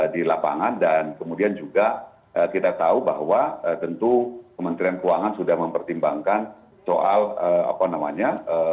di lapangan dan kemudian juga kita tahu bahwa tentu kementerian keuangan sudah mempertimbangkan soal apa namanya